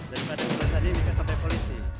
dan pada mulai tadi mika sampai polisi